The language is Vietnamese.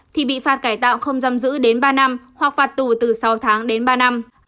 thì bị phạt cải tạo không giam giữ đến ba năm hoặc phạt tù từ sáu tháng đến ba năm